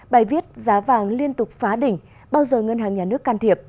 bài viết giá vàng liên tục phá đỉnh bao giờ ngân hàng nhà nước can thiệp